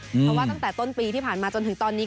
เพราะว่าตั้งแต่ต้นปีที่ผ่านมาจนถึงตอนนี้